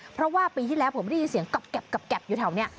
เพราะว่าปีที่แล้วผมได้ยินเสียงกรอบอยู่แถวนี้